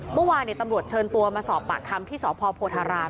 เมื่อวานตำรวจเชิญตัวมาสอบปากคำที่สพโพธาราม